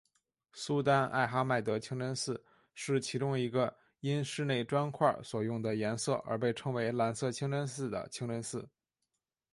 苏丹艾哈迈德清真寺是其中一个因室内砖块所用的颜色而被称为蓝色清真寺的清真寺。